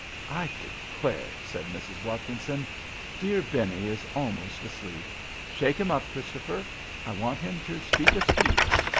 "I declare," said Mrs. Watkinson, "dear Benny is almost asleep. Shake him up, Christopher. I want him to speak a speech.